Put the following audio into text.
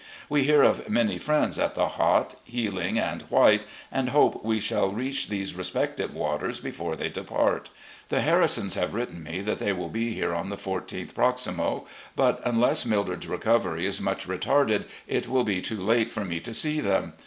We hear of many friends at the Hot, Healing, and White, and hope we shall reach these respective waters before they depart. ... The Harrisons have written me that they will be here on the 14th proximo, but unless Mildred's recovery is much retarded it will be too late for me to see them.